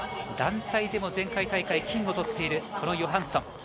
団体でも前回大会、金を取っているヨハンソン。